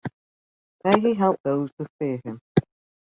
May he help those who fear him.